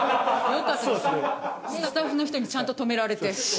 スタッフの人にちゃんと止められて。